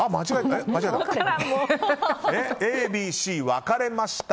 Ａ、Ｂ、Ｃ分かれました。